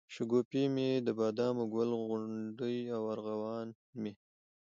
شګوفې مي دبادامو، ګل غونډۍ او ارغوان مي